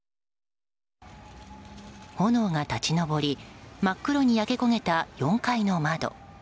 炎が立ち上り真っ黒に焼け焦げた４階の窓。